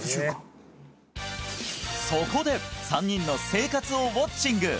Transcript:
そこで３人の生活をウォッチング！